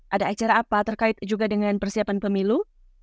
ada acara apa terkait juga dengan persiapan pemilu